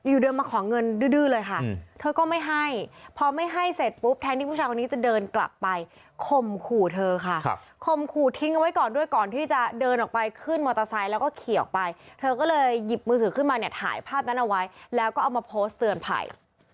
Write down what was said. อยู่เดินมาขอเงินดื้อเลยค่ะเธอก็ไม่ให้พอไม่ให้เสร็จปุ๊บแทนที่ผู้ชายคนนี้จะเดินกลับไปข่มขู่เธอค่ะข่มขู่ทิ้งเอาไว้ก่อนด้วยก่อนที่จะเดินออกไปขึ้นมอเตอร์ไซค์แล้วก็ขี่ออกไปเธอก็เลยหยิบมือถือขึ้นมาเนี่ยถ่ายภาพนั้นเอาไว้แล้วก็เอามาโพสต์เตือนภัย